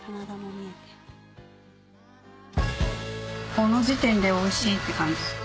この時点でおいしいって感じ。